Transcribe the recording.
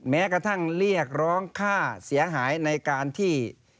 แม้กระทั่งเรียกร้องค่าเสียหายในการที่